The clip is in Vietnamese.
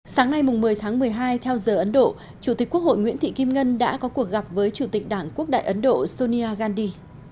sáng nay một mươi tháng một mươi hai theo giờ ấn độ chủ tịch quốc hội nguyễn thị kim ngân đã có cuộc gặp với chủ tịch đảng quốc đại ấn độ sonia gandhi